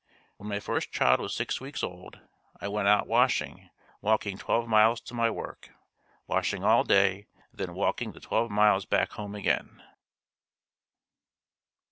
When my first child was six weeks old, I went out washing, walking twelve miles to my work, washing all day and then walking the twelve miles back home again."